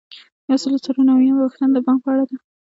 یو سل او څلور نوي یمه پوښتنه د بانک په اړه ده.